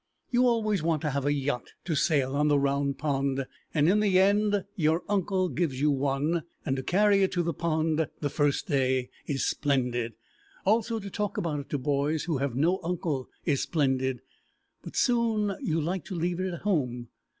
You always want to have a yacht to sail on the Round Pond, and in the end your uncle gives you one; and to carry it to the Pond the first day is splendid, also to talk about it to boys who have no uncle is splendid, but soon you like to leave it at home.